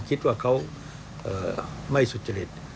คิดว่าเขาไม่สุจริต